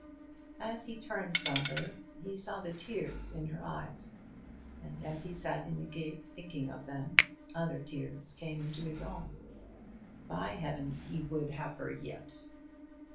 As he turned from her he saw the tears in her eyes; and as he sat in the gig, thinking of them, other tears came into his own. By heaven, he would have her yet!